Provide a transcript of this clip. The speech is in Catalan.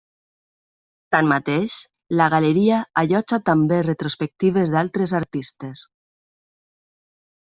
Tanmateix, la galeria allotja també retrospectives d'altres artistes.